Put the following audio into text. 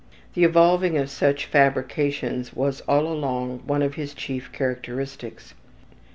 The evolving of such fabrications was all along one of his chief characteristics.